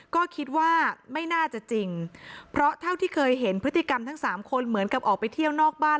ก็คิดว่าไม่น่าจะจริงเพราะเท่าที่เคยเห็นพฤติกรรมทั้งสามคนเหมือนกับออกไปเที่ยวนอกบ้าน